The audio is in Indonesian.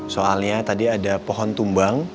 soalnya tadi ada pohon tumbang